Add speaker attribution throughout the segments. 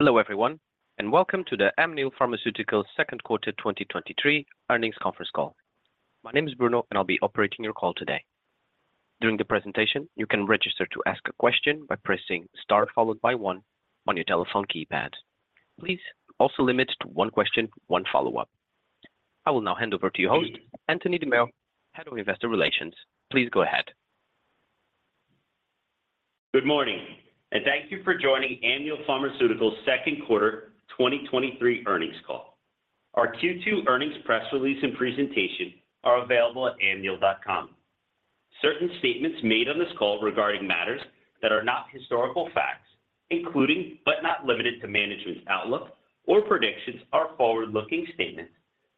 Speaker 1: Hello, everyone, and welcome to the Amneal Pharmaceuticals Second Quarter 2023 Earnings Conference Call. My name is Bruno, and I'll be operating your call today. During the presentation, you can register to ask a question by pressing star, followed by one on your telephone keypad. Please also limit to one question, one follow-up. I will now hand over to your host, Anthony DiMeo, Head of Investor Relations. Please go ahead.
Speaker 2: Good morning, thank you for joining Amneal Pharmaceuticals Second Quarter 2023 Earnings Call. Our Q2 earnings press release and presentation are available at amneal.com. Certain statements made on this call regarding matters that are not historical facts, including but not limited to management's outlook or predictions, are forward-looking statements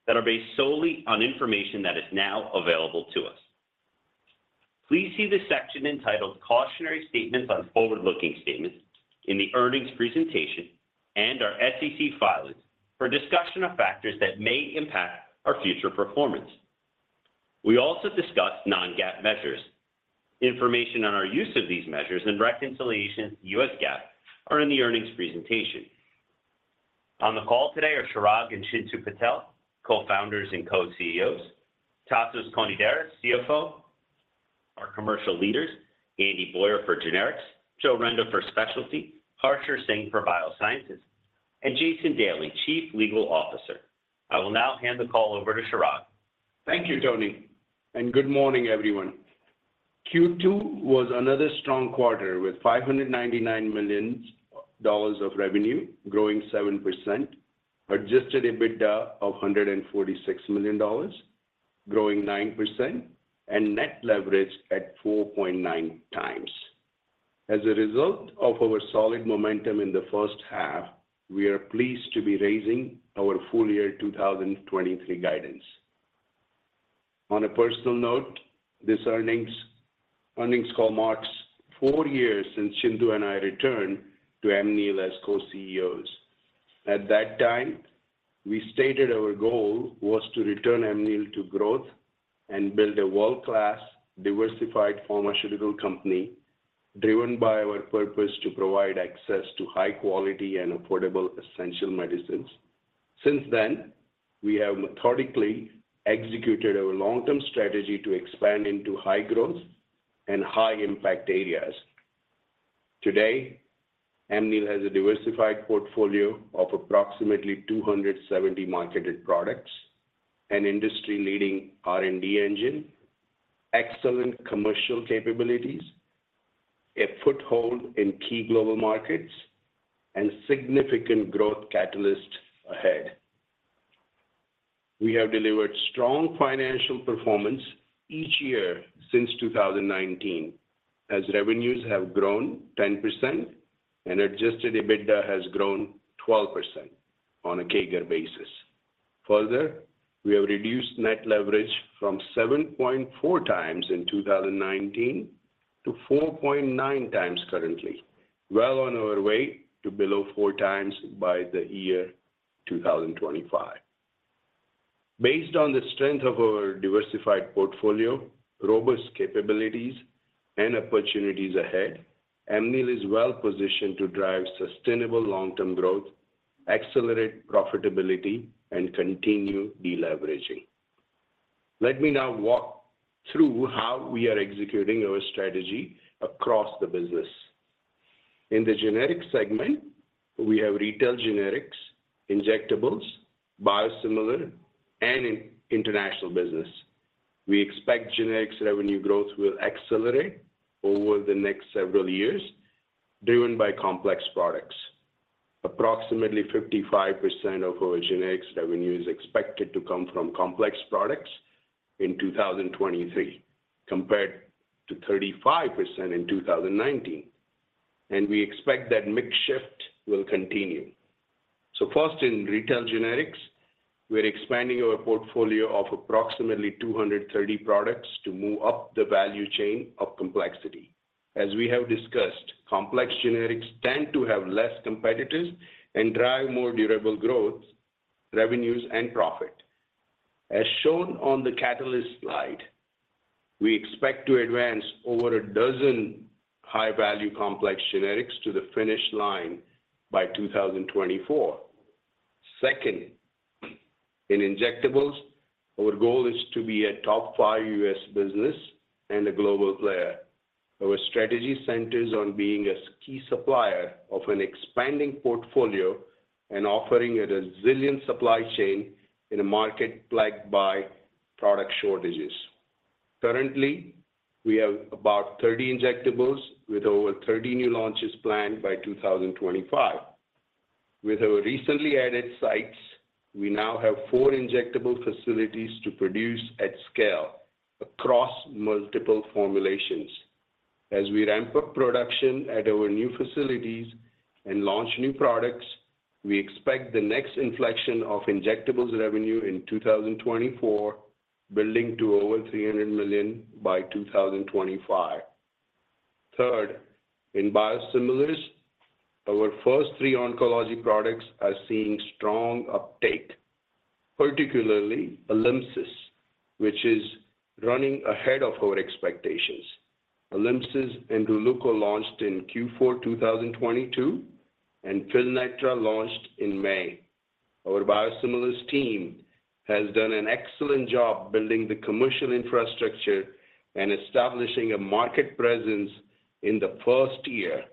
Speaker 2: that are based solely on information that is now available to us. Please see the section entitled "Cautionary Statements on Forward-Looking Statements" in the earnings presentation and our SEC filings for a discussion of factors that may impact our future performance. We also discuss non-GAAP measures. Information on our use of these measures and reconciliation to U.S. GAAP are in the earnings presentation. On the call today are Chirag and Chintu Patel, Co-Founders and Co-CEOs, Tasos Konidaris, CFO, our commercial leaders, Andy Boyer for Generics, Joe Renda for Specialty, Harsher Singh for Biosciences, and Jason Daley, Chief Legal Officer. I will now hand the call over to Chirag.
Speaker 3: Thank you, Tony. Good morning, everyone. Q2 was another strong quarter, with $599 million of revenue, growing 7%, Adjusted EBITDA of $146 million, growing 9%, and net leverage at 4.9x. As a result of our solid momentum in the first half, we are pleased to be raising our full year 2023 guidance. On a personal note, this earnings call marks four years since Chintu and I returned to Amneal as Co-CEOs. At that time, we stated our goal was to return Amneal to growth and build a world-class, diversified pharmaceutical company, driven by our purpose to provide access to high quality and affordable essential medicines. Since then, we have methodically executed our long-term strategy to expand into high growth and high impact areas. Today, Amneal has a diversified portfolio of approximately 270 marketed products and industry-leading R&D engine, excellent commercial capabilities, a foothold in key global markets, and significant growth catalysts ahead. We have delivered strong financial performance each year since 2019, as revenues have grown 10% and adjusted EBITDA has grown 12% on a CAGR basis. Further, we have reduced net leverage from 7.4x in 2019 to 4.9x currently, well on our way to below 4x by the year 2025. Based on the strength of our diversified portfolio, robust capabilities, and opportunities ahead, Amneal is well positioned to drive sustainable long-term growth, accelerate profitability, and continue deleveraging. Let me now walk through how we are executing our strategy across the business. In the generics segment, we have retail generics, injectables, biosimilars, and in international business. We expect generics revenue growth will accelerate over the next several years, driven by complex products. Approximately 55% of our generics revenue is expected to come from complex products in 2023, compared to 35% in 2019, and we expect that mix shift will continue. First, in retail generics, we are expanding our portfolio of approximately 230 products to move up the value chain of complexity. As we have discussed, complex generics tend to have less competitors and drive more durable growth, revenues, and profit. As shown on the catalyst slide, we expect to advance over a dozen high-value complex generics to the finish line by 2024. Second, in injectables, our goal is to be a top five U.S. business and a global player. Our strategy centers on being a key supplier of an expanding portfolio and offering a resilient supply chain in a market plagued by product shortages. Currently, we have about 30 injectables with over 30 new launches planned by 2025. With our recently added sites, we now have four injectable facilities to produce at scale across multiple formulations. As we ramp up production at our new facilities and launch new products, we expect the next inflection of injectables revenue in 2024, building to over $300 million by 2025. Third, in biosimilars, our first three oncology products are seeing strong uptake. particularly Alymsys, which is running ahead of our expectations. Alymsys and RELEUKO launched in Q4, 2022, and FYLNETRA launched in May. Our biosimilars team has done an excellent job building the commercial infrastructure and establishing a market presence in the first year.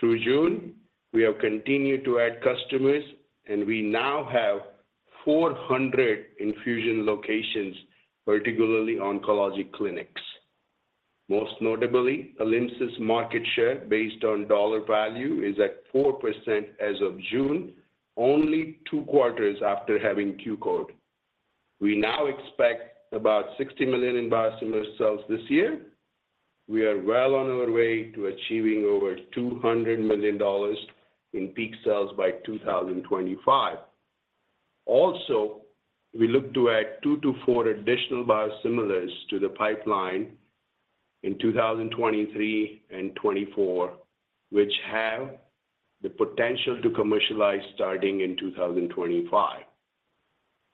Speaker 3: Through June, we have continued to add customers. We now have 400 infusion locations, particularly oncologic clinics. Most notably, Alymsys' market share, based on dollar value, is at 4% as of June, only two quarters after having Q-code. We now expect about $60 million in biosimilar sales this year. We are well on our way to achieving over $200 million in peak sales by 2025. We look to add 2-4 additional biosimilars to the pipeline in 2023 and 2024, which have the potential to commercialize starting in 2025.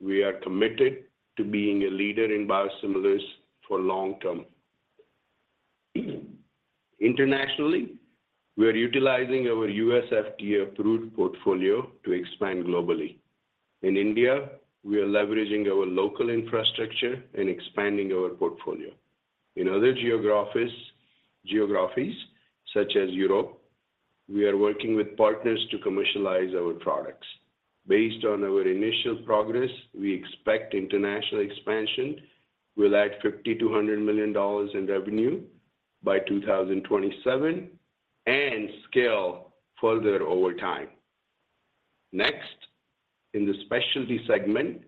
Speaker 3: We are committed to being a leader in biosimilars for long term. Internationally, we are utilizing our U.S. FDA-approved portfolio to expand globally. In India, we are leveraging our local infrastructure and expanding our portfolio. In other geographies, such as Europe, we are working with partners to commercialize our products. Based on our initial progress, we expect international expansion will add $50 million-$100 million in revenue by 2027, and scale further over time. Next, in the specialty segment,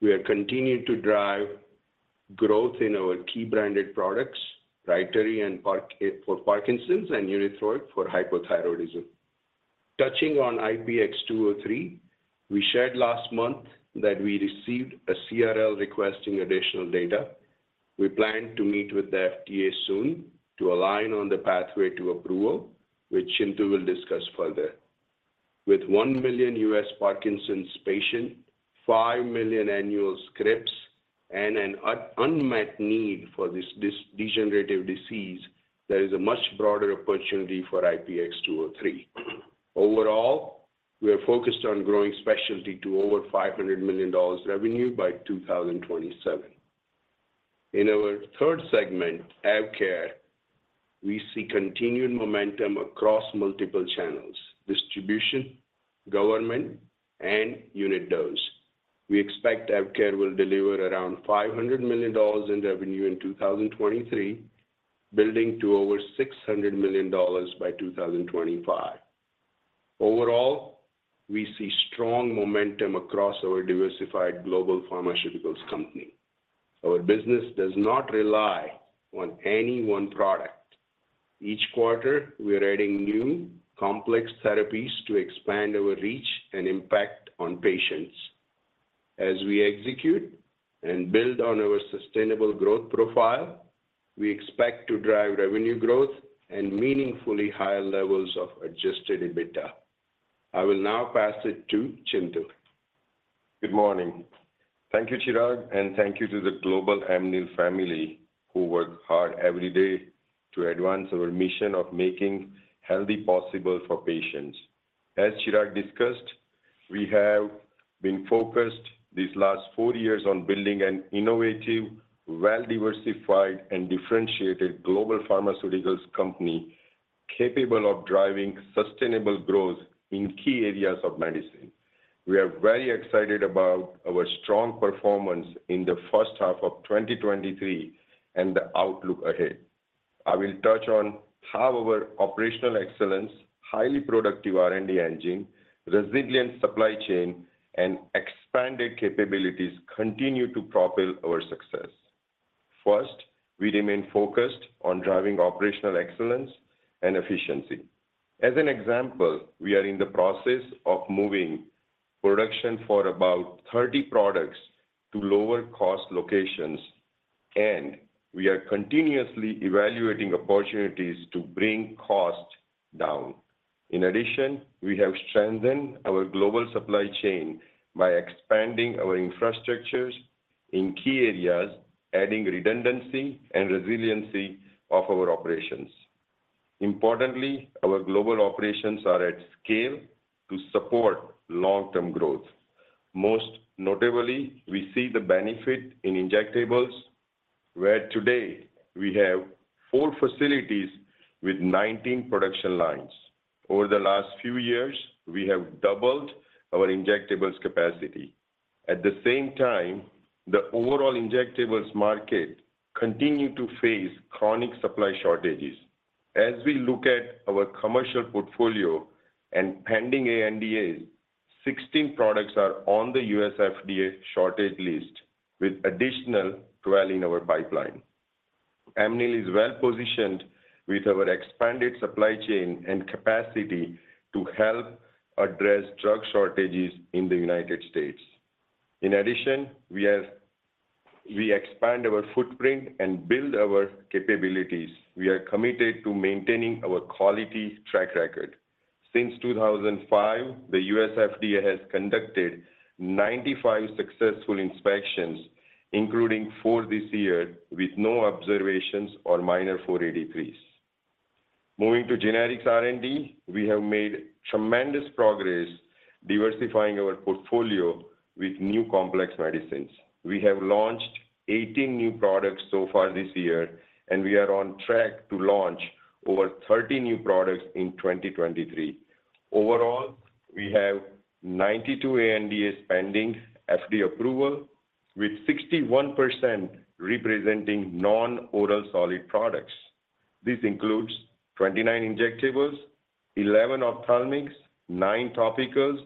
Speaker 3: we are continuing to drive growth in our key branded products, RYTARY for Parkinson's, and UNITHROID for hypothyroidism. Touching on IPX203, we shared last month that we received a CRL requesting additional data. We plan to meet with the FDA soon to align on the pathway to approval, which Chintu will discuss further. With 1 million U.S. Parkinson's patients, 5 million annual scripts, and an unmet need for this degenerative disease, there is a much broader opportunity for IPX203. Overall, we are focused on growing specialty to over $500 million revenue by 2027. In our third segment, AvKARE, we see continued momentum across multiple channels: distribution, government, and unit dose. We expect AvKARE will deliver around $500 million in revenue in 2023, building to over $600 million by 2025. Overall, we see strong momentum across our diversified global pharmaceuticals company. Our business does not rely on any one product. Each quarter, we are adding new complex therapies to expand our reach and impact on patients. As we execute and build on our sustainable growth profile, we expect to drive revenue growth and meaningfully higher levels of Adjusted EBITDA. I will now pass it to Chintu.
Speaker 4: Good morning. Thank you, Chirag, and thank you to the global Amneal family, who work hard every day to advance our mission of making healthy possible for patients. As Chirag discussed, we have been focused these last four years on building an innovative, well-diversified, and differentiated global pharmaceuticals company, capable of driving sustainable growth in key areas of medicine. We are very excited about our strong performance in the first half of 2023 and the outlook ahead. I will touch on how our operational excellence, highly productive R&D engine, resilient supply chain, and expanded capabilities continue to propel our success. First, we remain focused on driving operational excellence and efficiency. As an example, we are in the process of moving production for about 30 products to lower-cost locations, and we are continuously evaluating opportunities to bring costs down. We have strengthened our global supply chain by expanding our infrastructures in key areas, adding redundancy and resiliency of our operations. Importantly, our global operations are at scale to support long-term growth. Most notably, we see the benefit in injectables, where today we have four facilities with 19 production lines. Over the last few years, we have doubled our injectables capacity. At the same time, the overall injectables market continue to face chronic supply shortages. As we look at our commercial portfolio and pending ANDAs, 16 products are on the U.S. FDA shortage list, with additional 12 in our pipeline. Amneal is well-positioned with our expanded supply chain and capacity to help address drug shortages in the United States. We expand our footprint and build our capabilities. We are committed to maintaining our quality track record. Since 2005, the U.S. FDA has conducted 95 successful inspections, including four this year, with no observations or minor 483s. Moving to generics R&D, we have made tremendous progress diversifying our portfolio with new complex medicines. We have launched 18 new products so far this year, and we are on track to launch over 30 new products in 2023. Overall, we have 92 ANDAs pending FDA approval, with 61% representing non-oral solid products. This includes 29 injectables, 11 ophthalmics, nine topicals,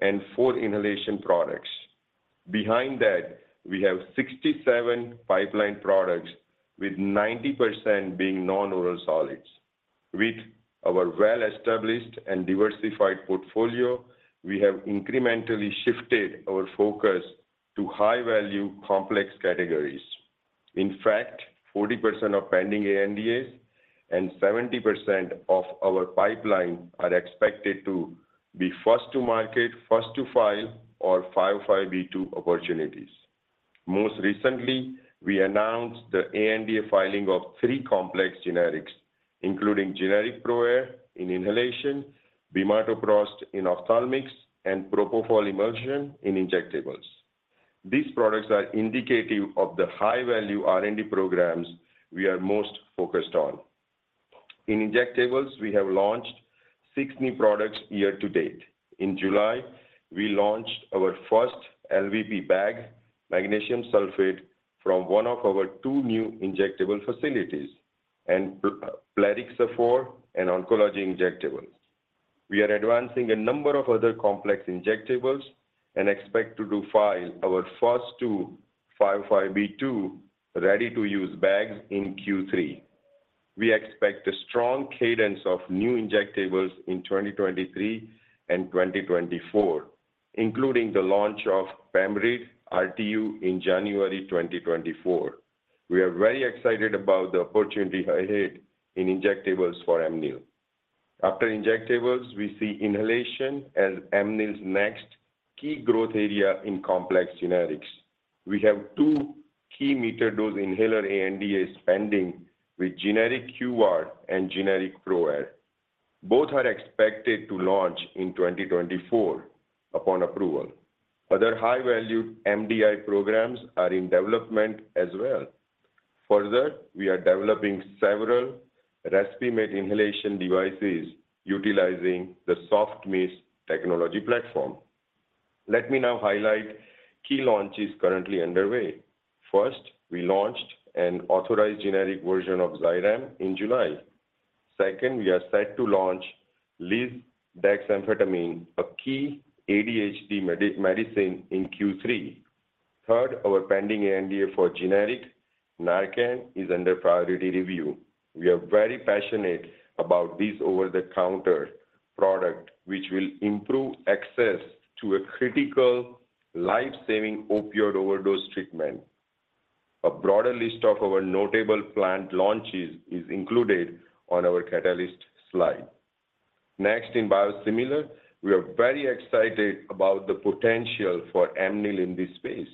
Speaker 4: and four inhalation products. Behind that, we have 67 pipeline products, with 90% being non-oral solids. With our well-established and diversified portfolio, we have incrementally shifted our focus to high-value, complex categories. In fact, 40% of pending ANDAs and 70% of our pipeline are expected to be first to market, first to file, or 505(b)(2) opportunities. Most recently, we announced the ANDA filing of three complex generics, including generic ProAir in inhalation, bimatoprost in ophthalmics, and propofol emulsion in injectables. These products are indicative of the high-value R&D programs we are most focused on. In injectables, we have launched six new products year to date. In July, we launched our first LVP bag, magnesium sulfate, from one of our two new injectable facilities, and plerixafor, an oncology injectable. We are advancing a number of other complex injectables and expect to do file our first two 505(b)(2) ready-to-use bags in Q3. We expect a strong cadence of new injectables in 2023 and 2024, including the launch of PEMRYDI RTU in January 2024. We are very excited about the opportunity ahead in injectables for Amneal. After injectables, we see inhalation as Amneal's next key growth area in complex generics. We have two key metered-dose inhaler ANDAs pending with generic QVAR and generic ProAir. Both are expected to launch in 2024 upon approval. Other high-value MDI programs are in development as well. We are developing several Respimat inhalation devices utilizing the soft mist technology platform. Let me now highlight key launches currently underway. First, we launched an authorized generic version of Xyrem in July. Second, we are set to launch lisdexamfetamine, a key ADHD medicine in Q3. Third, our pending ANDA for generic NARCAN is under priority review. We are very passionate about this over-the-counter product, which will improve access to a critical life-saving opioid overdose treatment. A broader list of our notable planned launches is included on our catalyst slide. In biosimilar, we are very excited about the potential for Amneal in this space.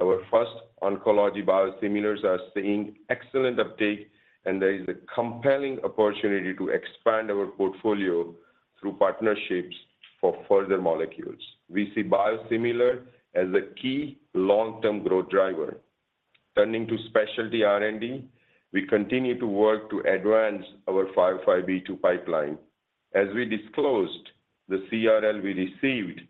Speaker 4: Our first oncology biosimilars are seeing excellent uptake, and there is a compelling opportunity to expand our portfolio through partnerships for further molecules. We see biosimilar as a key long-term growth driver. Turning to specialty R&D, we continue to work to advance our 505(b)(2) pipeline. As we disclosed, the CRL we received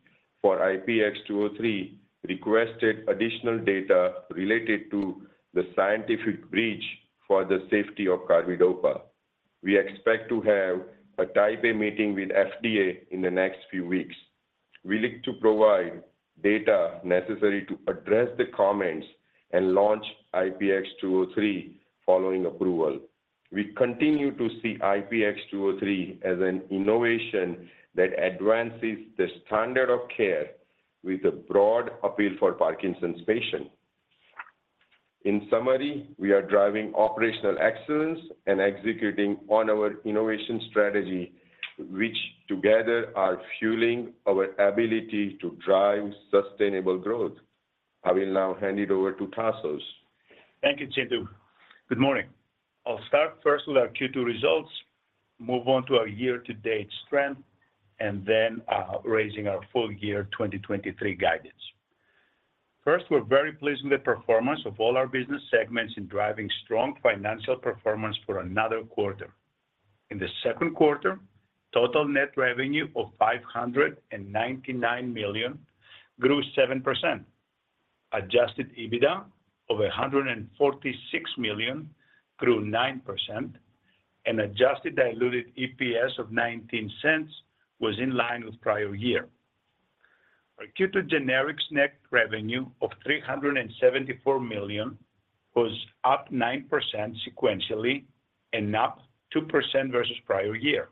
Speaker 4: for IPX203 requested additional data related to the scientific bridge for the safety of carbidopa. We expect to have a Type A meeting with FDA in the next few weeks. We look to provide data necessary to address the comments and launch IPX203 following approval. We continue to see IPX203 as an innovation that advances the standard of care with a broad appeal for Parkinson's patients. In summary, we are driving operational excellence and executing on our innovation strategy, which together are fueling our ability to drive sustainable growth. I will now hand it over to Tasos.
Speaker 5: Thank you, Chintu. Good morning. I'll start first with our Q2 results, move on to our year-to-date strength, then raising our full year 2023 guidance. First, we're very pleased with the performance of all our business segments in driving strong financial performance for another quarter. In the second quarter, total net revenue of $599 million grew 7%. Adjusted EBITDA of $146 million grew 9%, and adjusted diluted EPS of $0.19 was in line with prior year. Our Q2 generics net revenue of $374 million was up 9% sequentially and up 2% versus prior year.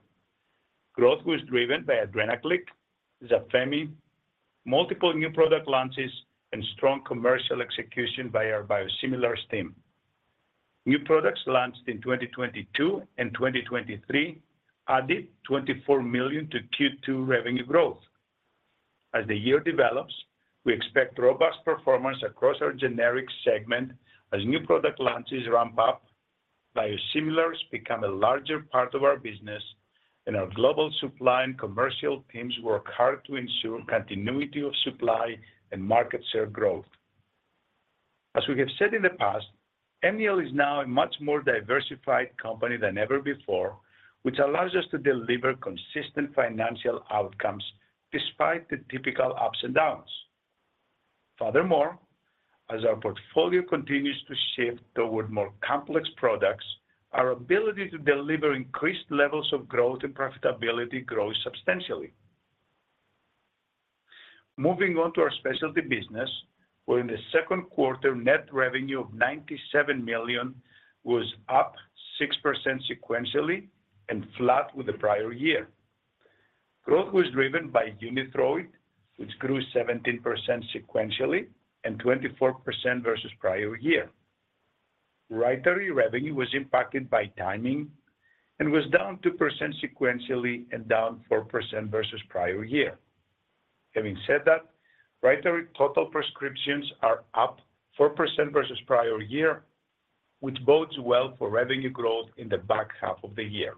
Speaker 5: Growth was driven by Adrenaclick, ZAFEMY, multiple new product launches, and strong commercial execution by our biosimilars team. New products launched in 2022 and 2023 added $24 million to Q2 revenue growth. As the year develops, we expect robust performance across our generic segment as new product launches ramp up, biosimilars become a larger part of our business, and our global supply and commercial teams work hard to ensure continuity of supply and market share growth. As we have said in the past, Amneal is now a much more diversified company than ever before, which allows us to deliver consistent financial outcomes despite the typical ups and downs. Furthermore, as our portfolio continues to shift toward more complex products, our ability to deliver increased levels of growth and profitability grows substantially. Moving on to our specialty business, where in the second quarter, net revenue of $97 million was up 6% sequentially and flat with the prior year. Growth was driven by UNITHROID, which grew 17% sequentially and 24% versus prior year. RYTARY revenue was impacted by timing and was down 2% sequentially and down 4% versus prior year. Having said that, RYTARY total prescriptions are up 4% versus prior year, which bodes well for revenue growth in the back half of the year.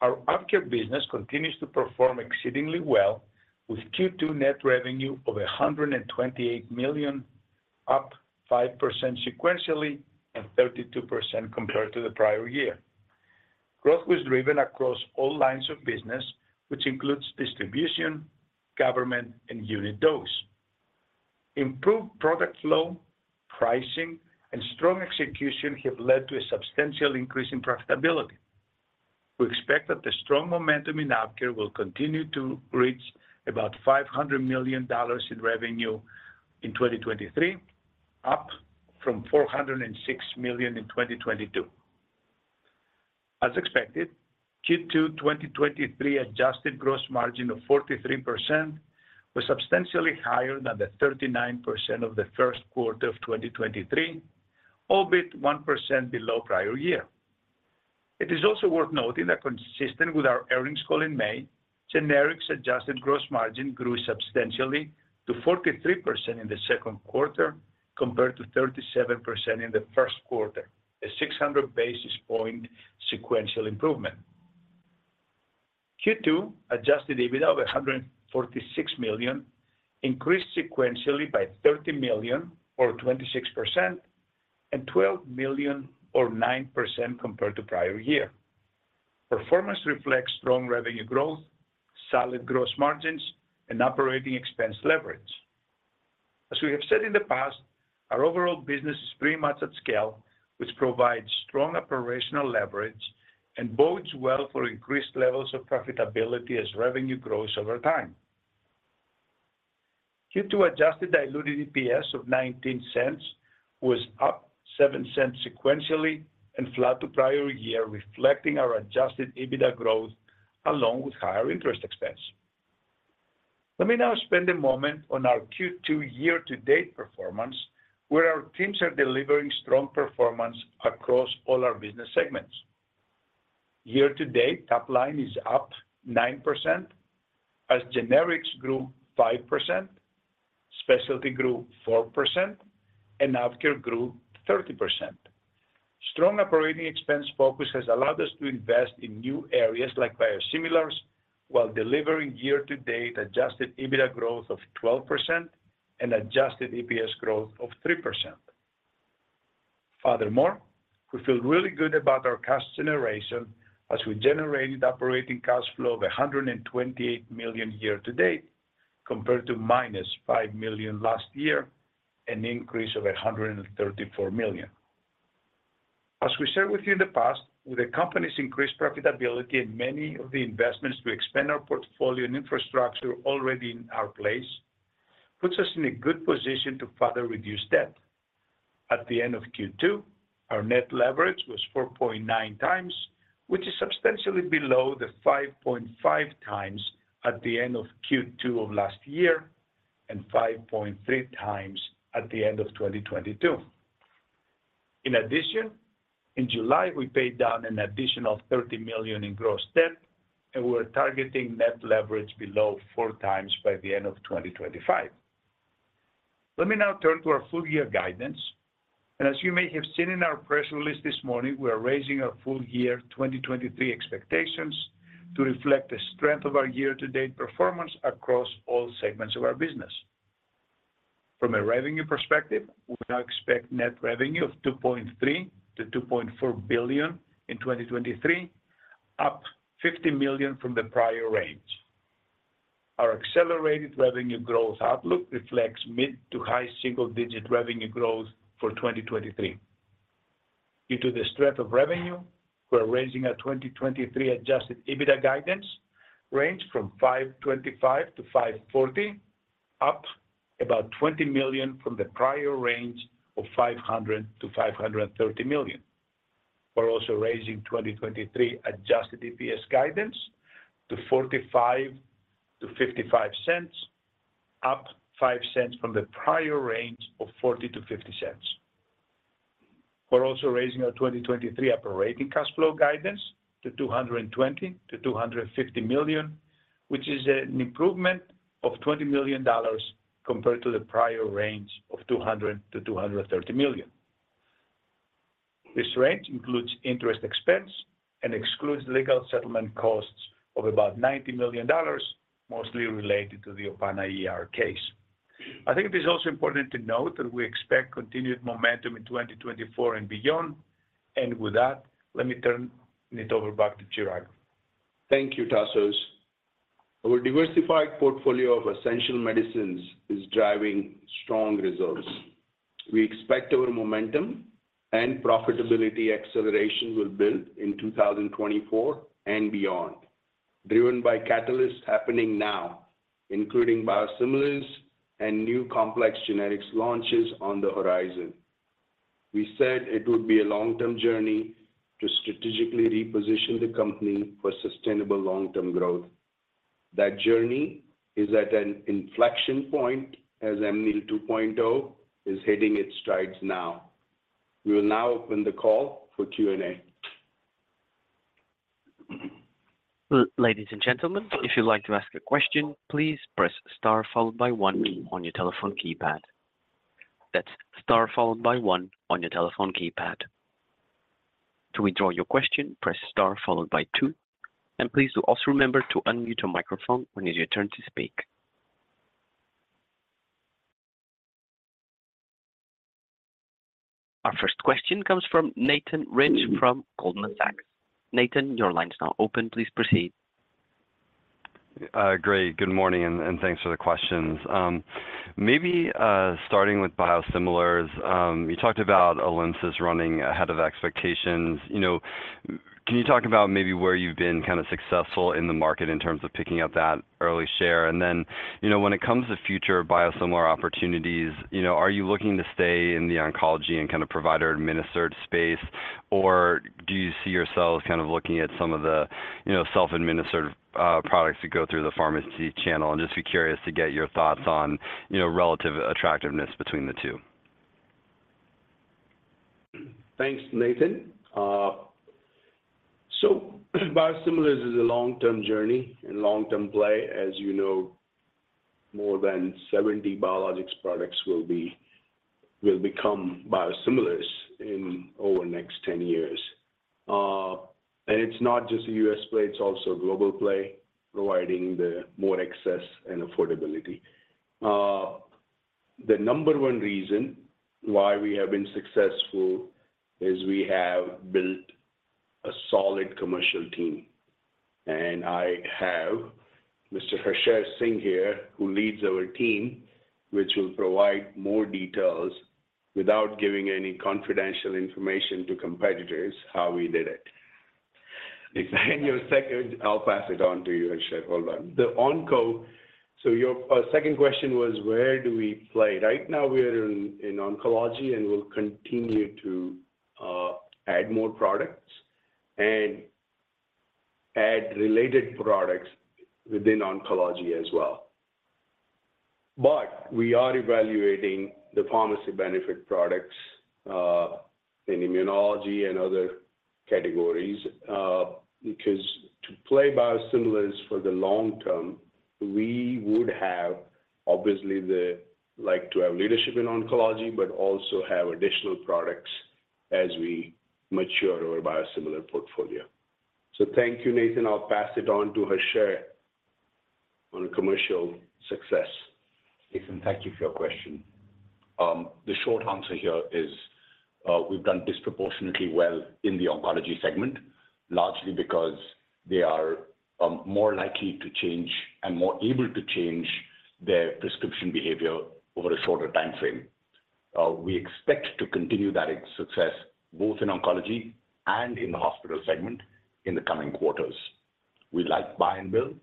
Speaker 5: Our AvKARE business continues to perform exceedingly well, with Q2 net revenue of $128 million, up 5% sequentially and 32% compared to the prior year. Growth was driven across all lines of business, which includes distribution, government, and unit dose. Improved product flow, pricing, and strong execution have led to a substantial increase in profitability. We expect that the strong momentum in AvKARE will continue to reach about $500 million in revenue in 2023, up from $406 million in 2022. As expected, Q2 2023 adjusted gross margin of 43% was substantially higher than the 39% of the first quarter of 2023, albeit 1% below prior year. It is also worth noting that consistent with our earnings call in May, generics adjusted gross margin grew substantially to 43% in the second quarter, compared to 37% in the first quarter, a 600 basis point sequential improvement. Q2 Adjusted EBITDA of $146 million increased sequentially by $30 million, or 26%, and $12 million, or 9% compared to prior year. Performance reflects strong revenue growth, solid gross margins, and operating expense leverage. As we have said in the past, our overall business is pretty much at scale, which provides strong operational leverage and bodes well for increased levels of profitability as revenue grows over time. Q2 adjusted diluted EPS of $0.19 was up $0.07 sequentially and flat to prior year, reflecting our Adjusted EBITDA growth along with higher interest expense. Let me now spend a moment on our Q2 year-to-date performance, where our teams are delivering strong performance across all our business segments. Year to date, top line is up 9%, as generics grew 5%, specialty grew 4%, and AvKARE grew 30%. Strong operating expense focus has allowed us to invest in new areas like biosimilars, while delivering year-to-date Adjusted EBITDA growth of 12% and adjusted EPS growth of 3%. We feel really good about our cash generation as we generated operating cash flow of $128 million year to date, compared to -$5 million last year, an increase of $134 million. As we shared with you in the past, with the company's increased profitability and many of the investments to expand our portfolio and infrastructure already in our place, puts us in a good position to further reduce debt. At the end of Q2, our net leverage was 4.9x, which is substantially below the 5.5x at the end of Q2 of last year, and 5.3x at the end of 2022. In addition, in July, we paid down an additional $30 million in gross debt, and we're targeting net leverage below 4x by the end of 2025. Let me now turn to our full year guidance. As you may have seen in our press release this morning, we are raising our full year 2023 expectations to reflect the strength of our year-to-date performance across all segments of our business. From a revenue perspective, we now expect net revenue of $2.3 billion-$2.4 billion in 2023, up $50 million from the prior range. Our accelerated revenue growth outlook reflects mid to high single-digit revenue growth for 2023. Due to the strength of revenue, we're raising our 2023 Adjusted EBITDA guidance range from $525 million-$540 million, up about $20 million from the prior range of $500 million-$530 million. We're also raising 2023 adjusted EPS guidance to $0.45-$0.55, up $0.05 from the prior range of $0.40-$0.50. We're also raising our 2023 operating cash flow guidance to $220 million-$250 million, which is an improvement of $20 million compared to the prior range of $200 million-$230 million. This range includes interest expense and excludes legal settlement costs of about $90 million, mostly related to the Opana ER case. I think it is also important to note that we expect continued momentum in 2024 and beyond. With that, let me turn it over back to Chirag.
Speaker 3: Thank you, Tasos. Our diversified portfolio of essential medicines is driving strong results. We expect our momentum and profitability acceleration will build in 2024 and beyond, driven by catalysts happening now, including biosimilars and new complex generics launches on the horizon. We said it would be a long-term journey to strategically reposition the company for sustainable long-term growth. That journey is at an inflection point as Amneal 2.0 is hitting its strides now. We will now open the call for Q&A.
Speaker 1: Ladies and gentlemen, if you'd like to ask a question, please press Star followed by one on your telephone keypad. That's star followed by one on your telephone keypad. To withdraw your question, press star followed by two, and please do also remember to unmute your microphone when it is your turn to speak. Our first question comes from Nathan Rich from Goldman Sachs. Nathan, your line is now open. Please proceed.
Speaker 6: Great. Good morning, and thanks for the questions. Maybe, starting with biosimilars, you talked about Alymsys running ahead of expectations. You know, can you talk about maybe where you've been kind of successful in the market in terms of picking up that early share? Then, you know, when it comes to future biosimilar opportunities, you know, are you looking to stay in the oncology and kind of provider-administered space, or do you see yourselves kind of looking at some of the, you know, self-administered products that go through the pharmacy channel? I'm just curious to get your thoughts on, you know, relative attractiveness between the two.
Speaker 3: Thanks, Nathan. Biosimilars is a long-term journey and long-term play. As you know, more than 70 biologics products will become biosimilars in over the next 10 years. It's not just a U.S. play, it's also a global play, providing the more access and affordability. The number one reason why we have been successful is we have built a solid commercial team, and I have Mr. Harsher Singh here, who leads our team, which will provide more details without giving any confidential information to competitors, how we did it. And your seconf, I'll pass it on to you, Harsher. Hold on. Your 2nd question was, where do we play? Right now, we are in oncology, and we'll continue to add more products and add related products within oncology as well. We are evaluating the pharmacy benefit products in immunology and other categories because to play biosimilars for the long term, we would have obviously like to have leadership in oncology, but also have additional products as we mature our biosimilar portfolio. Thank you, Nathan. I'll pass it on to Harsher on commercial success.
Speaker 7: Nathan, thank you for your question. The short answer here is, we've done disproportionately well in the oncology segment, largely because they are, more likely to change and more able to change their prescription behavior over a shorter timeframe. We expect to continue that success, both in oncology and in the hospital segment in the coming quarters. We like buy and build,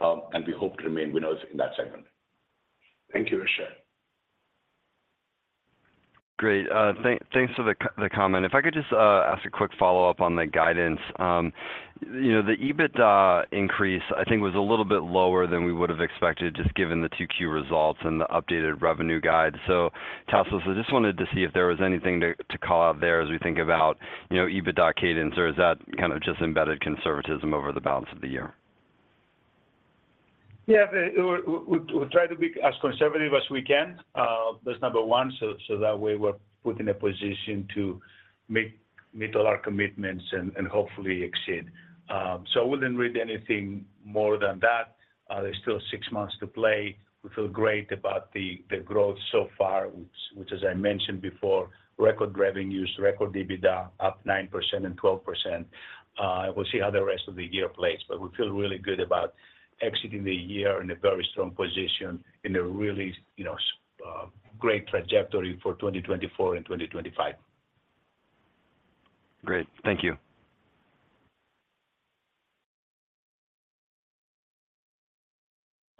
Speaker 7: and we hope to remain winners in that segment.
Speaker 3: Thank you, Harsher.
Speaker 6: Great. Thanks for the comment. If I could just ask a quick follow-up on the guidance. You know, the EBITDA increase, I think, was a little bit lower than we would have expected, just given the 2Q results and the updated revenue guide. Tasos, I just wanted to see if there was anything to call out there as we think about, you know, EBITDA cadence, or is that kind of just embedded conservatism over the balance of the year?
Speaker 5: Yeah, we try to be as conservative as we can, that's number one. That way, we're put in a position to meet all our commitments and hopefully exceed. I wouldn't read anything more than that. There's still six months to play. We feel great about the growth so far, which as I mentioned before, record revenues, record EBITDA, up 9% and 12%. We'll see how the rest of the year plays, but we feel really good about exiting the year in a very strong position, in a really, you know, great trajectory for 2024 and 2025.
Speaker 6: Great. Thank you.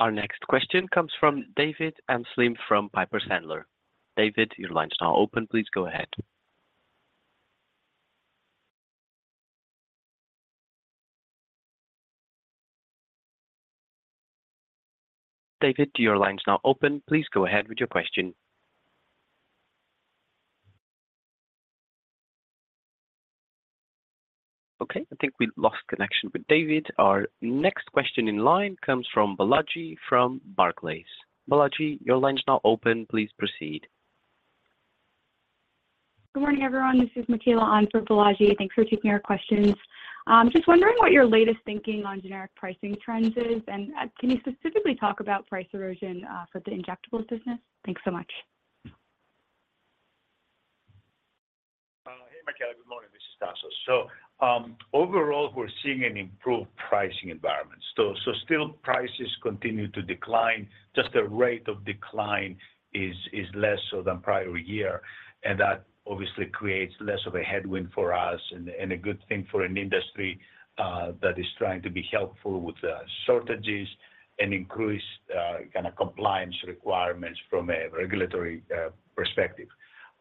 Speaker 1: Our next question comes from David Amsellem from Piper Sandler. David, your line's now open. Please go ahead. David, your line is now open. Please go ahead with your question. Okay, I think we lost connection with David. Our next question in line comes from Balaji from Barclays. Balaji, your line is now open. Please proceed.
Speaker 8: Good morning, everyone. This is Michaela on for Balaji. Thanks for taking our questions. just wondering what your latest thinking on generic pricing trends is, and can you specifically talk about price erosion for the injectables business? Thanks so much.
Speaker 5: Hey, Michaela. Good morning. This is Tasos. Overall, we're seeing an improved pricing environment. Still prices continue to decline. Just the rate of decline is less so than prior year, and that obviously creates less of a headwind for us and a good thing for an industry that is trying to be helpful with the shortages and increased kind of compliance requirements from a regulatory perspective.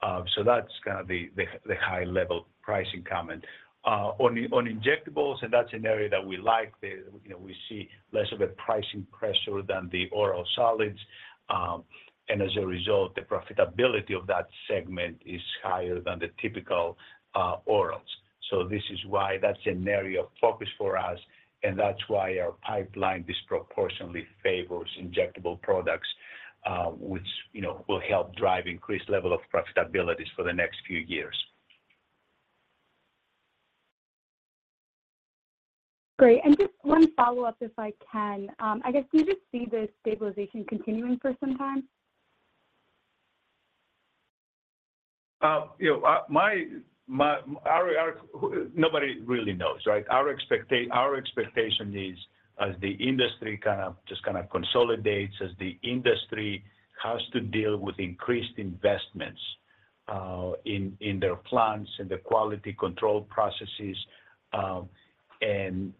Speaker 5: That's kind of the high level pricing comment. On injectables, that's an area that we like. You know, we see less of a pricing pressure than the oral solids, as a result, the profitability of that segment is higher than the typical orals. This is why that's an area of focus for us, and that's why our pipeline disproportionately favors injectable products, which, you know, will help drive increased level of profitabilities for the next few years.
Speaker 8: Great, and just one follow-up, if I can. I guess, do you just see this stabilization continuing for some time?
Speaker 5: You know, nobody really knows, right? Our expectation is as the industry kind of, just kind of consolidates, as the industry has to deal with increased investments in, in their plants and the quality control processes, and,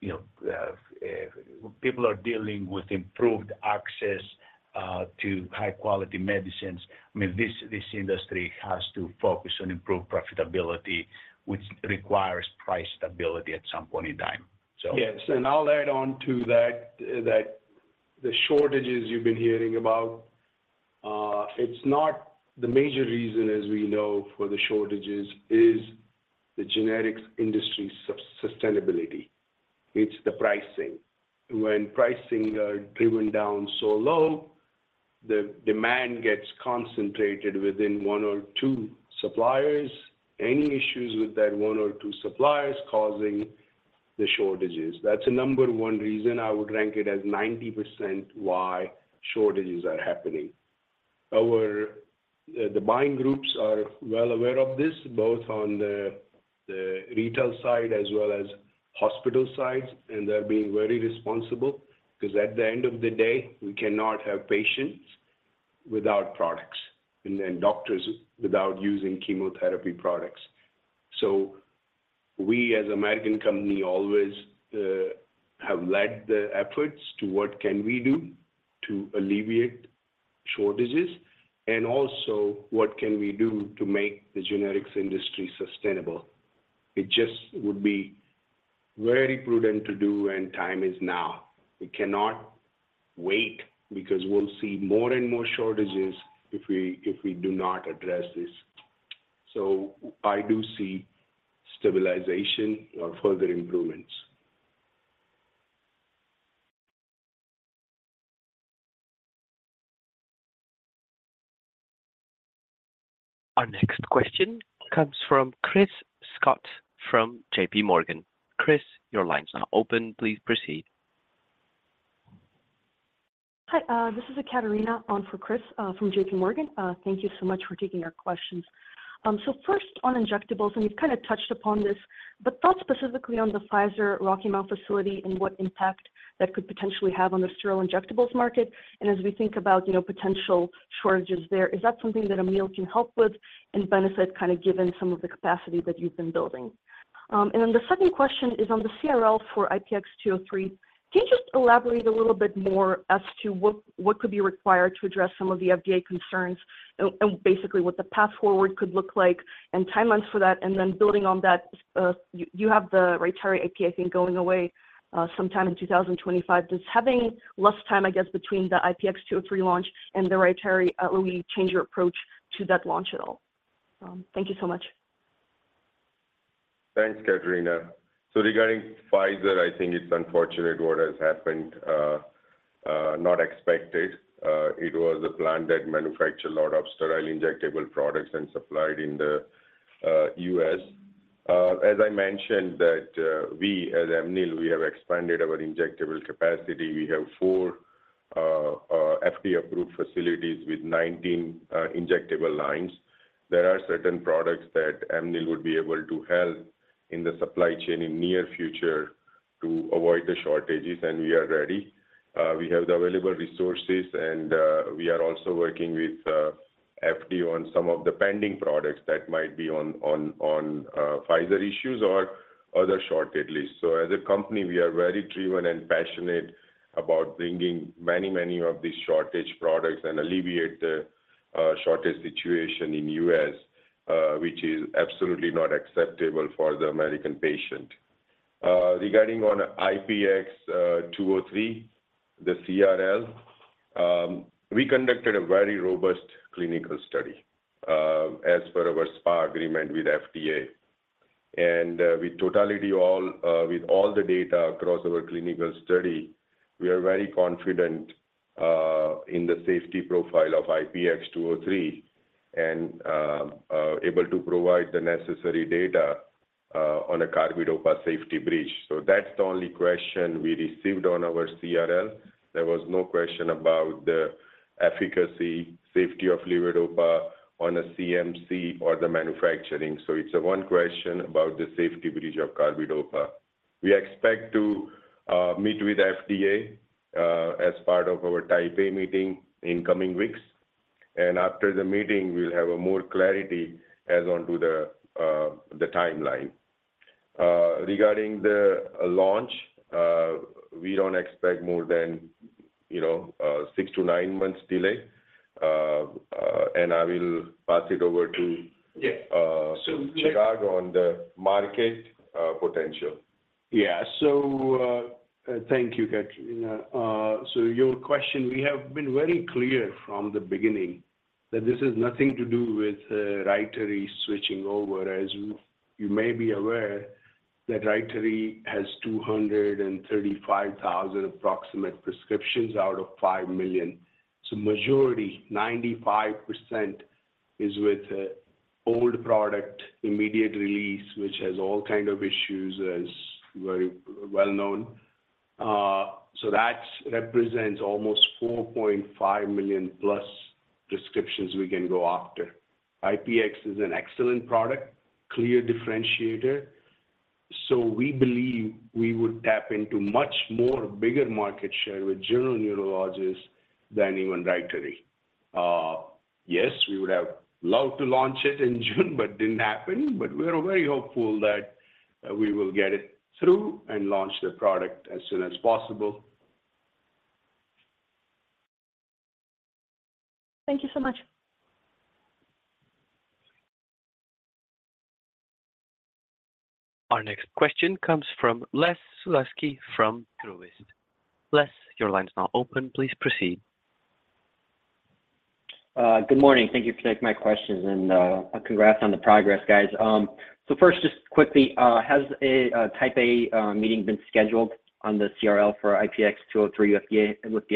Speaker 5: you know, people are dealing with improved access to high quality medicines. I mean, this, this industry has to focus on improved profitability, which requires price stability at some point in time.
Speaker 3: Yes, and I'll add on to that, that the shortages you've been hearing about, it's not the major reason, as we know, for the shortages is the generics industry sustainability. It's the pricing. When pricing are driven down so low, the demand gets concentrated within one or two suppliers. Any issues with that one or two suppliers causing the shortages, that's the number one reason I would rank it as 90% why shortages are happening. Our, the buying groups are well aware of this, both on the, the retail side as well as hospital sides, and they're being very responsible because at the end of the day, we cannot have patients without products and then doctors without using chemotherapy products. We, as American company, always have led the efforts to what can we do to alleviate shortages and also what can we do to make the generics industry sustainable. It just would be very prudent to do, and time is now. We cannot wait because we'll see more and more shortages if we, if we do not address this. I do see stabilization or further improvements.
Speaker 1: Our next question comes from Chris Schott from JPMorgan. Chris, your line is now open. Please proceed.
Speaker 9: Hi, this is Ekaterina on for Chris from JPMorgan. Thank you so much for taking our questions. First on injectables, you've kind of touched upon this, but thought specifically on the Pfizer Rocky Mount facility and what impact that could potentially have on the sterile injectables market. As we think about, you know, potential shortages there, is that something that Amneal can help with and benefit, kind of given some of the capacity that you've been building? The second question is on the CRL for IPX203, can you just elaborate a little bit more as to what, what could be required to address some of the FDA concerns and basically what the path forward could look like and timelines for that? Then building on that, you, you have the RYTARY API, I think, going away, sometime in 2025. Does having less time, I guess, between the IPX203 launch and the RYTARY, will you change your approach to that launch at all? Thank you so much.
Speaker 4: Thanks, Ekaterina. Regarding Pfizer, I think it's unfortunate what has happened, not expected. It was a plant that manufactured a lot of sterile injectable products and supplied in the U.S. I mentioned, that we as Amneal, we have expanded our injectable capacity. We have four FDA-approved facilities with 19 injectable lines. There are certain products that Amneal would be able to help in the supply chain in near future to avoid the shortages, we are ready. We have the available resources, and we are also working with FDA on some of the pending products that might be on Pfizer issues or other shortage list. As a company, we are very driven and passionate about bringing many, many of these shortage products and alleviate the shortage situation in U.S., which is absolutely not acceptable for the American patient. Regarding on IPX203, the CRL, we conducted a very robust clinical study as part of our SPA agreement with FDA. With totality, with all the data across our clinical study, we are very confident in the safety profile of IPX203 and able to provide the necessary data on a carbidopa safety bridge. That's the only question we received on our CRL. There was no question about the efficacy, safety of levodopa on a CMC or the manufacturing, it's one question about the safety bridge of carbidopa. We expect to meet with FDA as part of our Type A meeting in coming weeks. After the meeting, we'll have a more clarity as onto the timeline. Regarding the launch, we don't expect more than, you know, 6-9 months delay. I will pass it over to Chirag on the market, potential.
Speaker 3: Yeah. Thank you, Katrina. Your question, we have been very clear from the beginning, that this has nothing to do with RYTARY switching over. As you, you may be aware that RYTARY has 235,000 approximate prescriptions out of 5 million. Majority, 95% is with the old product, immediate release, which has all kind of issues, as very well known. That represents almost 4.5 million plus prescriptions we can go after. IPX is an excellent product, clear differentiator, so we believe we would tap into much more bigger market share with general neurologists than even RYTARY. Yes, we would have loved to launch it in June, but didn't happen. We are very hopeful that we will get it through and launch the product as soon as possible.
Speaker 9: Thank you so much.
Speaker 1: Our next question comes from Leszek Sulewsky from Truist. Les, your line is now open. Please proceed.
Speaker 10: Good morning. Thank you for taking my questions, congrats on the progress, guys. First, just quickly, has a Type A meeting been scheduled on the CRL for IPX203 FDA with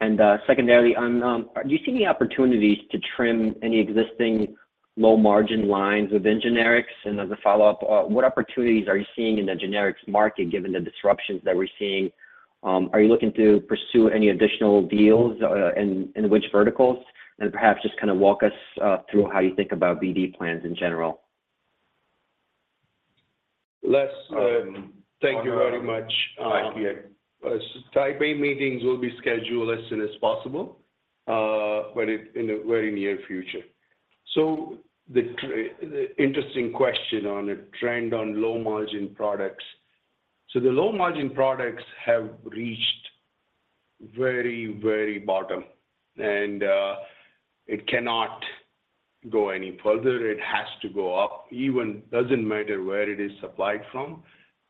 Speaker 10: the FDA? Secondarily, on, do you see any opportunities to trim any existing low-margin lines within generics? As a follow-up, what opportunities are you seeing in the generics market, given the disruptions that we're seeing? Are you looking to pursue any additional deals, and which verticals? Perhaps just kind of walk us through how you think about BD plans in general.
Speaker 3: Leszek, thank you very much. Type A meetings will be scheduled as soon as possible, but it in the very near future. The interesting question on the trend on low-margin products. The low-margin products have reached very, very bottom, and it cannot go any further. It has to go up. Even doesn't matter where it is supplied from,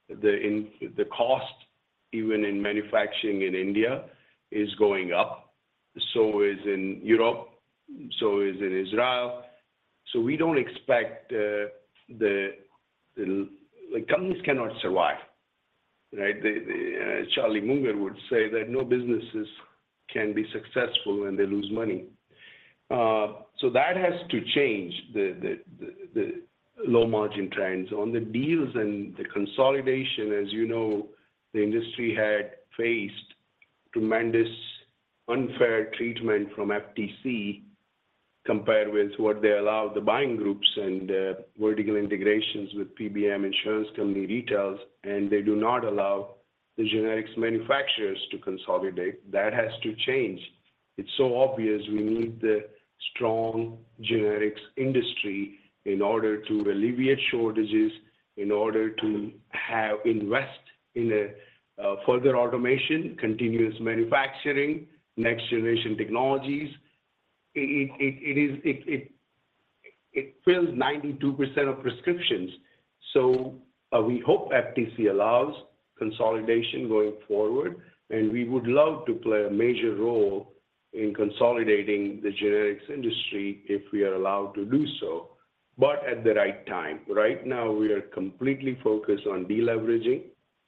Speaker 3: the cost, even in manufacturing in India, is going up, so is in Europe, so is in Israel. We don't expect, like companies cannot survive, right? Charlie Munger would say that no businesses can be successful when they lose money. That has to change, the low-margin trends. On the deals and the consolidation, as you know, the industry had faced tremendous unfair treatment from FTC, compared with what they allow the buying groups and the vertical integrations with PBM insurance company retails, and they do not allow the generics manufacturers to consolidate. That has to change. It's so obvious we need the strong generics industry in order to alleviate shortages, in order to have invest in a further automation, continuous manufacturing, next-generation technologies. It fills 92% of prescriptions, so we hope FTC allows consolidation going forward, and we would love to play a major role in consolidating the generics industry if we are allowed to do so, but at the right time. Right now, we are completely focused on deleveraging.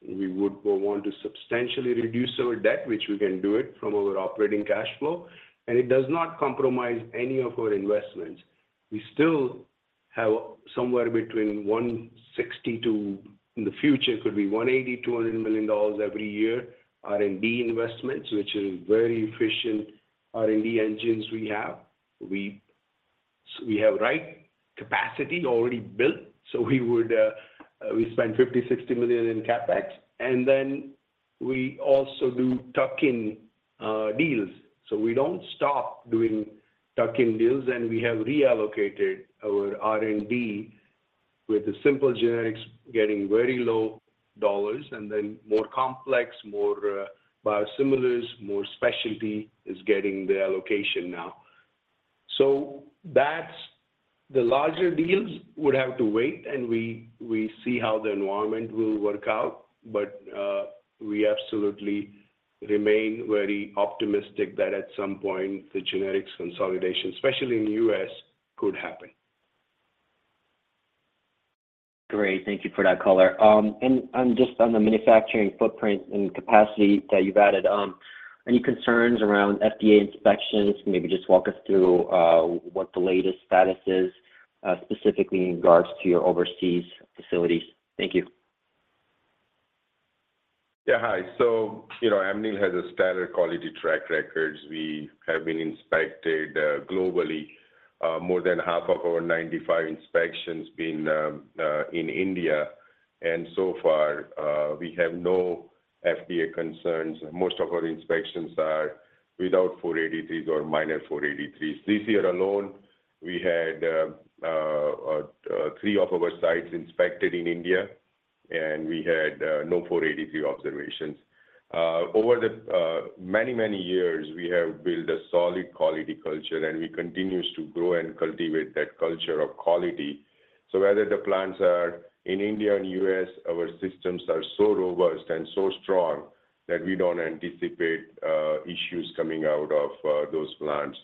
Speaker 3: We would want to substantially reduce our debt, which we can do it from our operating cash flow. It does not compromise any of our investments. We still have somewhere between $162 million, in the future, could be $180 million, $200 million every year, R&D investments, which is very efficient R&D engines we have. So we have right capacity already built, so we would, we spend $50 million-$60 million in CapEx, and then we also do tuck-in deals. We don't stop doing tuck-in deals, and we have reallocated our R&D, with the simple generics getting very low dollars, and then more complex, more biosimilars, more specialty is getting the allocation now. That's the larger deals would have to wait, and we, we see how the environment will work out, but we absolutely remain very optimistic that at some point, the generics consolidation, especially in the U.S., could happen.
Speaker 10: Great. Thank you for that color. Just on the manufacturing footprint and capacity that you've added, any concerns around FDA inspections? Maybe just walk us through, what the latest status is, specifically in regards to your overseas facilities. Thank you.
Speaker 4: Yeah, hi. You know, Amneal has a stellar quality track records. We have been inspected, globally, more than half of our 95 inspections being, in India, and so far, we have no FDA concerns. Most of our inspections are without 483s or minor 483s. This year alone, we had, three of our sites inspected in India, and we had, no 483 observations. Over the, many, many years, we have built a solid quality culture, and we continues to grow and cultivate that culture of quality. Whether the plants are in India and U.S., our systems are so robust and so strong that we don't anticipate, issues coming out of, those plants,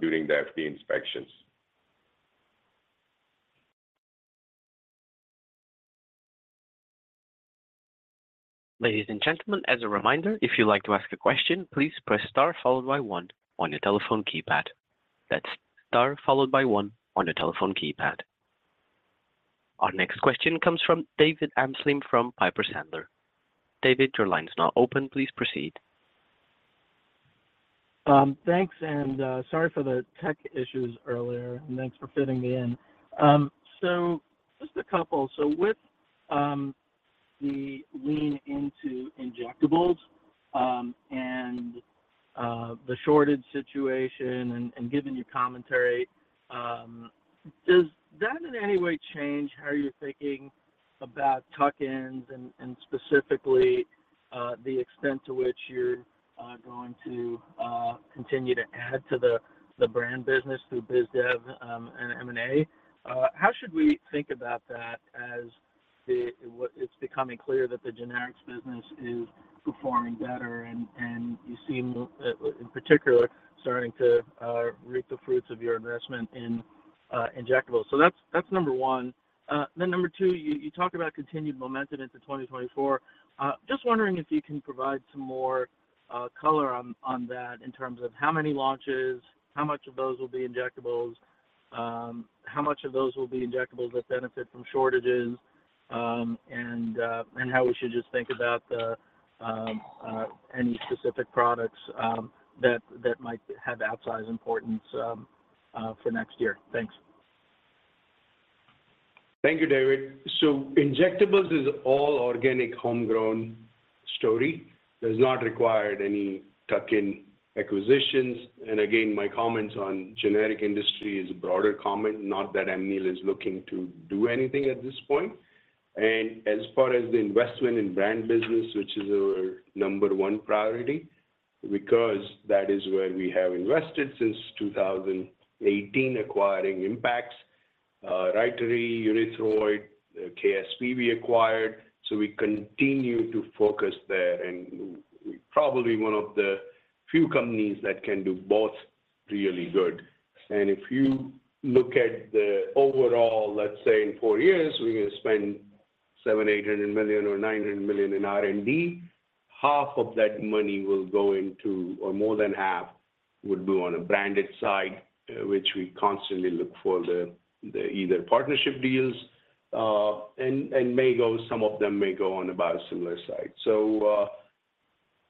Speaker 4: during the FDA inspections.
Speaker 1: Ladies and gentlemen, as a reminder, if you'd like to ask a question, please press star followed by one on your telephone keypad. That's star followed by one on your telephone keypad. Our next question comes from David Amsellem from Piper Sandler. David, your line is now open. Please proceed.
Speaker 11: Thanks, sorry for the tech issues earlier, and thanks for fitting me in. Just a couple. With the lean into injectables, the shortage situation, and given your commentary, does that in any way change how you're thinking about tuck-ins and specifically the extent to which you're going to continue to add to the brand business through biz dev and M&A? How should we think about that as it's becoming clear that the generics business is performing better, and you seem in particular starting to reap the fruits of your investment in injectables. That's, that's number one. Number two, you talked about continued momentum into 2024. Just wondering if you can provide some more color on, on that in terms of how many launches, how much of those will be injectables, how much of those will be injectables that benefit from shortages, and how we should just think about the any specific products that, that might have outsized importance for next year? Thanks.
Speaker 3: Thank you, David. Injectables is all organic, homegrown story, does not require any tuck-in acquisitions. Again, my comments on generic industry is a broader comment, not that Amneal is looking to do anything at this point. As far as the investment in brand business, which is our number one priority, because that is where we have invested since 2018, acquiring Impax, RYTARY, UNITHROID, KSP we acquired, we continue to focus there, and probably one of the few companies that can do both really good. If you look at the overall, let's say in four years, we're going to spend $700 million-$800 million or $900 million in R&D, half of that money will go into or more than half, would be on a branded side, which we constantly look for the, the either partnership deals, and, and may go, some of them may go on the biosimilar side.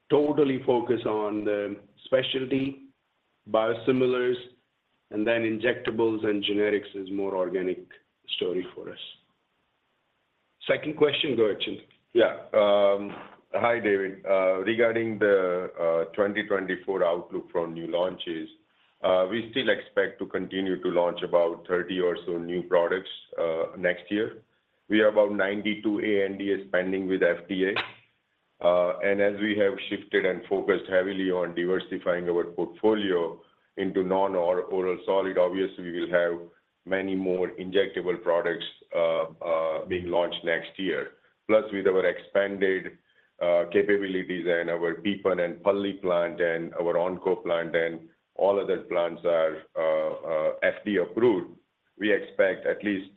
Speaker 3: Totally focused on the specialty biosimilars, and then injectables and generics is more organic story for us. Second question, go ahead Chintu.
Speaker 4: Yeah, hi, David. Regarding the 2024 outlook for new launches, we still expect to continue to launch about 30 or so new products next year. We have about 92 ANDAs pending with FDA. As we have shifted and focused heavily on diversifying our portfolio into non or oral solid, obviously, we will have many more injectable products being launched next year. With our expanded capabilities and our Pepin and Pulley plant and our Onco plant and all other plants are FDA-approved, we expect at least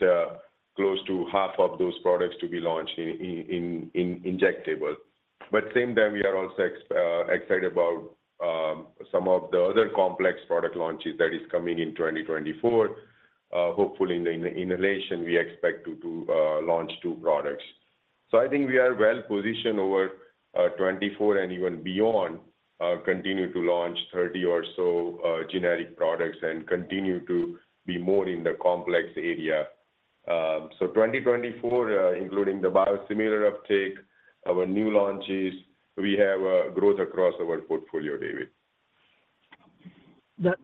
Speaker 4: close to half of those products to be launched in injectable. Same time, we are also excited about some of the other complex product launches that is coming in 2024. Hopefully in the inhalation, we expect to launch two products. I think we are well positioned over 2024 and even beyond, continue to launch 30 or so generic products and continue to be more in the complex area. 2024, including the biosimilar uptake, our new launches, we have growth across our portfolio, David.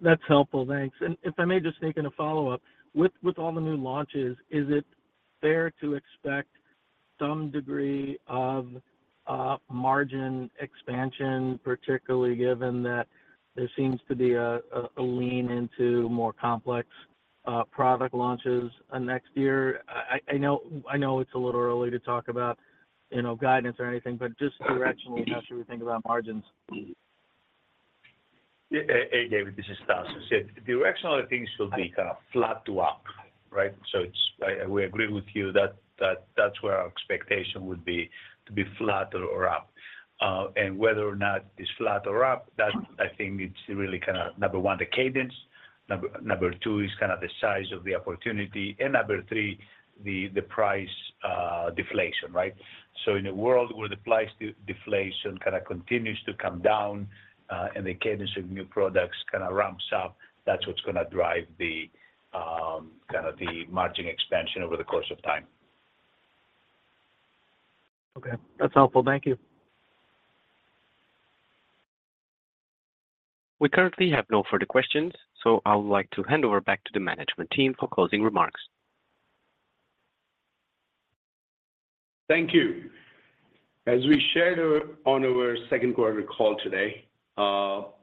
Speaker 11: That's helpful. Thanks. If I may just make in a follow-up: with all the new launches, is it fair to expect some degree of margin expansion, particularly given that there seems to be a lean into more complex product launches next year? I know, I know it's a little early to talk about, you know, guidance or anything, but just directionally, how should we think about margins?
Speaker 5: Yeah. Hey, David, this is Tasos. Directionally, things will be kind of flat to up, right? It's, we agree with you that, that that's where our expectation would be, to be flat or, or up. Whether or not it's flat or up, that I think it's really kind of, number one, the cadence. Number two is kind of the size of the opportunity, and number three, the price deflation, right? In a world where the price deflation kind of continues to come down, and the cadence of new products kind of ramps up, that's what's gonna drive the kind of the margin expansion over the course of time.
Speaker 11: Okay, that's helpful. Thank you.
Speaker 1: We currently have no further questions, so I would like to hand over back to the management team for closing remarks.
Speaker 3: Thank you. As we shared on our second quarter call today,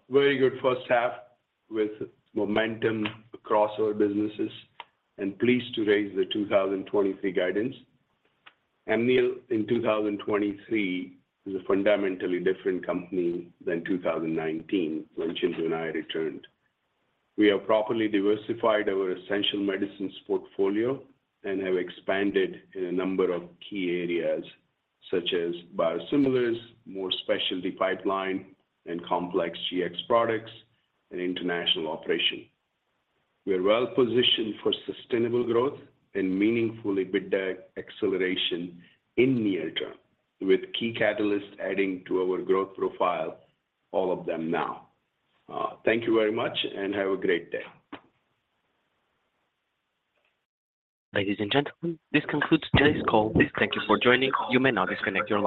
Speaker 3: very good first half with momentum across our businesses, and pleased to raise the 2023 guidance. Amneal in 2023, is a fundamentally different company than 2019, when Chintu and I returned. We have properly diversified our essential medicines portfolio and have expanded in a number of key areas such as biosimilars, more specialty pipeline, and complex Gx products, and international operation. We are well positioned for sustainable growth and meaningful EBITDA acceleration in near term, with key catalysts adding to our growth profile, all of them now. Thank you very much and have a great day.
Speaker 1: Ladies and gentlemen, this concludes today's call. Thank you for joining. You may now disconnect your line.